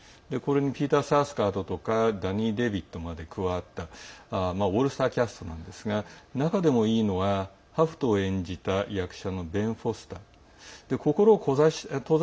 これにピーター・サースガードからダニー・デヴィートまで加わったオールスターキャストなんですが仲でもいいのはハフトを演じた役者。